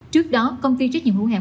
trước đó công ty trách nhiệm hữu hạng